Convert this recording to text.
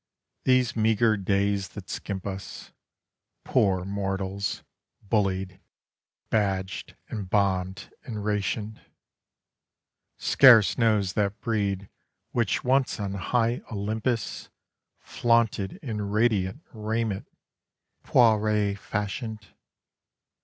These meagre days that skimp us, Poor mortals, bullied, badged, and bombed and rationed, Scarce knows that breed which once on high Olympus Flaunted in radiant raiment, Poiret fashioned.